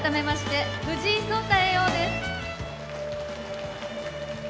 改めまして、藤井聡太叡王です。